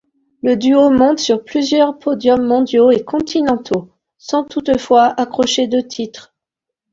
Le duo monte sur plusieurs podiums mondiaux et continentaux, sans toutefois accrocher de titre.